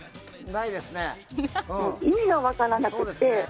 意味が分からなくて。